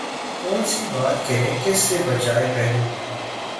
کون سی بات کریں کس سے بچائیں پہلو